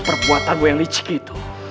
perbuatanmu yang licik itu